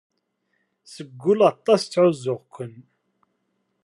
Seg wul aṭas ttɛuzzuɣ-ken.